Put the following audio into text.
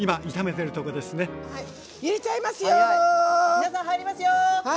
皆さん入りますよ！